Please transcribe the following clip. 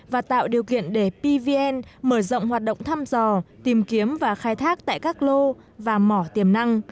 và tạo điều kiện để pvn mở rộng hoạt động thăm dò tìm kiếm và khai thác tại các lô và mỏ tiềm năng